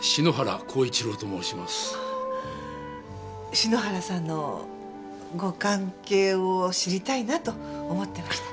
篠原さんのご関係を知りたいなと思ってました。